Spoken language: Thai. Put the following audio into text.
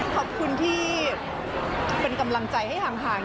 ขอบคุณที่เป็นกำลังใจให้ห่าง